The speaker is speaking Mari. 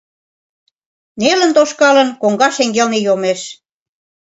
Нелын тошкалын, коҥга шеҥгелне йомеш.